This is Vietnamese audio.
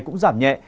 cũng giảm nhẹ